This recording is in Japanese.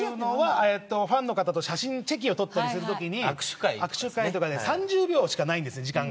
ファンの方とチェキを撮ったりするときに握手会とかで３０秒しかないんです